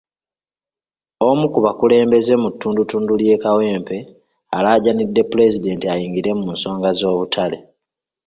Omu ku bakulembeze mu ttundutundu ly'e Kawempe alaajanidde Pulezidenti ayingire mu nsonga z'obutale.